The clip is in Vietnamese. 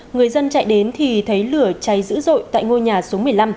người dân chạy đến thì thấy lửa cháy dữ dội tại ngôi nhà số một mươi năm